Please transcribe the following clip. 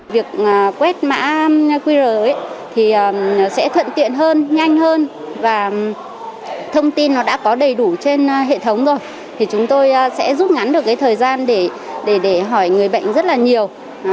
việc quét mã qr thì sẽ thuận tiện hơn nhanh hơn và thông tin nó đã có đầy đủ trên hệ thống rồi thì chúng tôi sẽ rút ngắn được cái thời gian để hỏi người bệnh rất là nhiều